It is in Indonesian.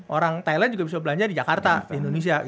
orang thailand juga bisa belanja di jakarta di indonesia